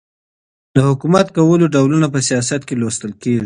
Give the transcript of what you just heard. د حکومت کولو ډولونه په سیاست کي لوستل کیږي.